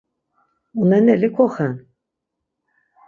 Uneneli koxen.